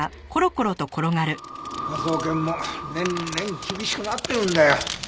科捜研も年々厳しくなってるんだよ。